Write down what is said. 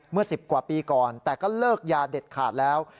เมื่อ๑๐กว่าปีก่อนแต่ก็เลิกยาเด็ดขาดแล้ว